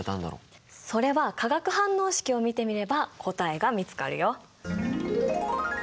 それは化学反応式を見てみれば答えが見つかるよ。